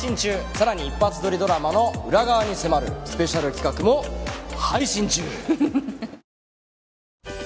さらに一発撮りドラマの裏側に迫るスペシャル企画も配信中。